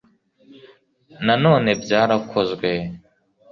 na none byarakozwe